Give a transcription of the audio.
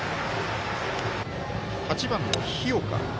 ８番の日岡。